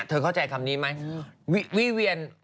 เธอเข้าใจคำนี้มั้ย